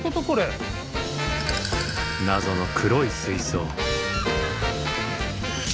謎の黒い水槽。